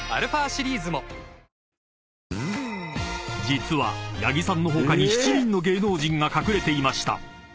［実は八木さんの他に７人の芸能人が隠れていました］